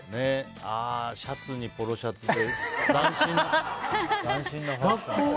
シャツにポロシャツで斬新なファッション。